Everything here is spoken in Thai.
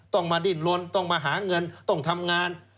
ต้องมาดิ้นลนต้องมาหาเงินต้องทำงาน